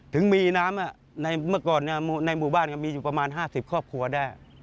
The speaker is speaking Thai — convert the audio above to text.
ถึงมีน้ำในเมื่อก่อนในหมู่บ้านก็มีอยู่ประมาณ๕๐ครอบครัวได้